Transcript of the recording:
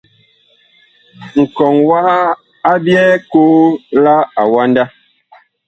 Nkɔŋ waha a byɛɛ koo la awanda.